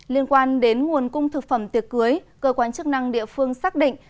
liên quan đến nguồn cung thực phẩm tiệc cưới cơ quan chức năng địa phương xác định